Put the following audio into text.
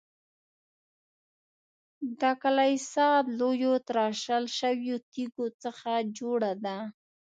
دا کلیسا له لویو تراشل شویو تیږو څخه جوړه ده.